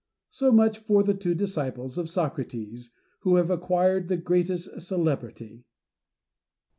So much for the two disciples of Socrates who have acquired the greatest celebrity